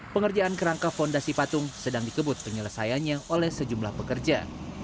pengerjaan kerangka fondasi patung sedang dikebut penyelesaiannya oleh sejumlah pekerja